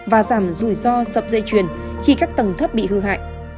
và giảm rủi ro sập dây chuyền khi các tầng thấp bị hư hại